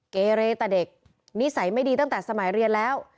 เกเรแต่เด็กนิสัยไม่ดีตั้งแต่สมัยเรียนแล้ว